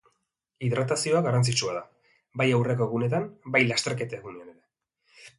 Hidratazioa garrantzitsua da, bai aurreko egunetan bai lasterketa egunean ere.